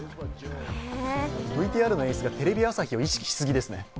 ＶＴＲの演出がテレビ朝日を意識しすぎですね。